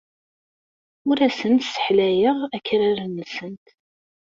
Ur asent-sseḥlayeɣ akraren-nsent.